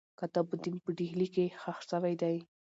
قطب الدین په ډهلي کښي ښخ سوی دئ.